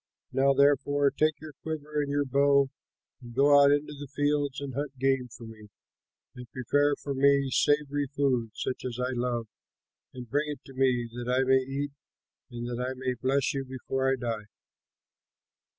Now, therefore, take your quiver and your bow and go out into the fields and hunt game for me and prepare for me savory food, such as I love, and bring it to me that I may eat and that I may bless you before I die."